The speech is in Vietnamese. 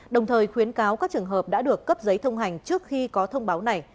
đồng thời khuyến cáo các trường hợp đã được cấp giấy thông hành trước khi có thông báo này